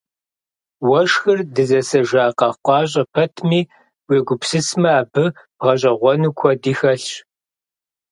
Уэшхыр дызэсэжа къэхъукъащӏэ пэтми, уегупсысмэ, абы бгъэщӏэгъуэну куэди хэлъщ.